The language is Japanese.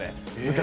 昔。